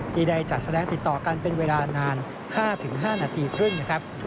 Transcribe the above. ที่ได้จัดแสดงติดต่อกันเป็นเวลานาน๕๕นาทีครึ่งนะครับ